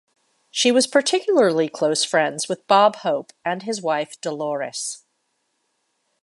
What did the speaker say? She was particularly close friends with Bob Hope and his wife Dolores.